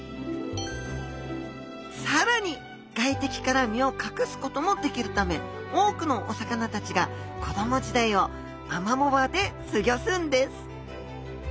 さらに外敵から身を隠すこともできるため多くのお魚たちが子供時代をアマモ場で過ギョすんです